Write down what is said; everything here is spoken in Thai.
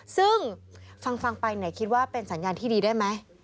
ซึ่งฟังไปคิดว่าเป็นสัญญาณที่ดีได้ไหม